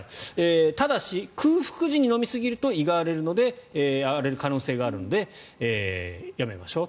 ただし、空腹時に飲みすぎると胃が荒れる可能性があるのでやめましょう。